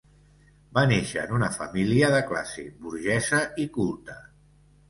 Va néixer en una família de classe burgesa i culta.